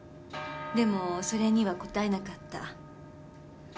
でもそれには応えなかった。